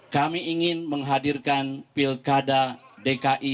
kami ingin menghadirkan pilkada dki